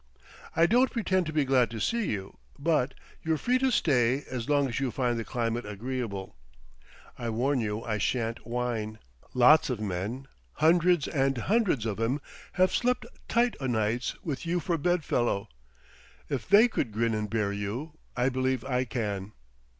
I don't pretend to be glad to see you, but you're free to stay as long as you find the climate agreeable. I warn you I shan't whine. Lots of men, hundreds and hundreds of 'em, have slept tight o' nights with you for bedfellow; if they could grin and bear you, I believe I can."